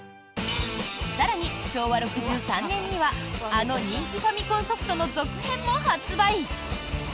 更に、昭和６３年にはあの人気ファミコンソフトの続編も発売。